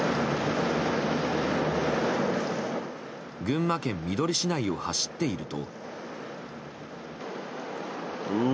群馬県みどり市内を走っていると。